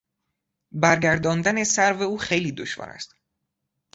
برگرداندن سرو او خیلی دشوار است.